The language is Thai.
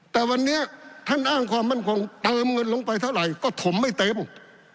แต่วันนี้ท่านอ้างความมั่นคงเติมเงินลงไปเท่าไหร่ก็ถมไม่เต็ม